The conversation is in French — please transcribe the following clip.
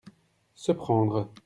se prendre.